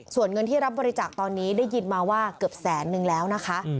ส่วนเงินที่รับบริจาคตอนนี้ได้ยินมาว่าเกือบแสนนึงแล้วนะคะ